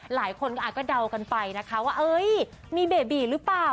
หลายคนก็เดากันไปนะคะว่ามีเบบีหรือเปล่า